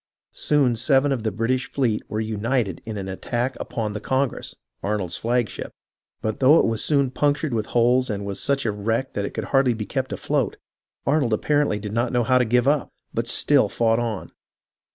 Soon seven of the British fleet were united in an attack upon the Congress (Arnold's "flag ship"), but though it was soon punctured with holes and was such a wreck that it could hardly be kept afloat, Arnold apparently did not know how to give up, but still fought on.